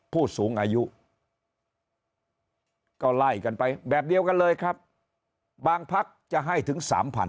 ผู้สูงอายุก็ไล่กันไปแบบเดียวกันเลยครับบางพักจะให้ถึงสามพัน